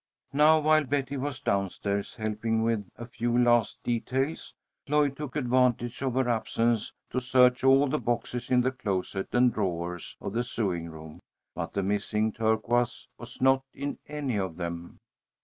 Now, while Betty was down stairs, helping with a few last details, Lloyd took advantage of her absence to search all the boxes in the closet and drawers of the sewing room, but the missing turquoise was not in any of them.